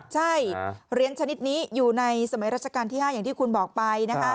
ใช่เหรียญชนิดนี้อยู่ในสมัยราชการที่๕อย่างที่คุณบอกไปนะคะ